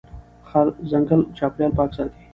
ځنګل چاپېریال پاک ساتي.